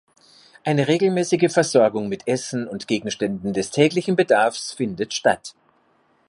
Eine regelmäßige Versorgung mit Essen und Gegenständen des täglichen Bedarfs findet statt.